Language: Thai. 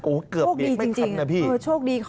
โอ้เกือบเบียกไม่คันนะพี่โอ้โชคดีจริง